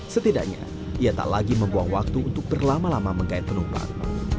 setidaknya ia tak lagi membuang waktu untuk berlama lama menggait penumpang